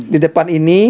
di depan ini